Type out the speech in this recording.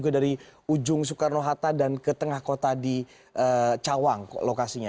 dari ujung soekarno hatta dan ke tengah kota di cawang lokasinya